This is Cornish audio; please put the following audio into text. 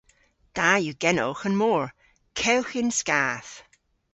Da yw genowgh an mor. Kewgh yn skath.